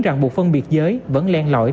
rằng bộ phân biệt giới vẫn len lõi